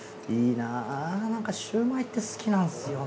なんかシュウマイって好きなんすよね。